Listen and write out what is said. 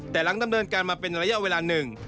แต่หลังดำเนินการมาเป็นระยะเวลาหนึ่ง